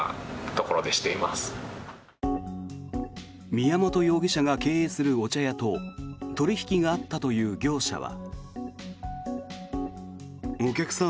宮本容疑者が経営するお茶屋と取引があったという業者は。